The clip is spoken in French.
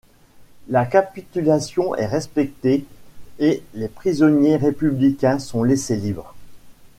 La capitulation est respectée et les prisonniers républicains sont laissés libres.